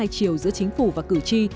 hai chiều giữa chính phủ và cử tri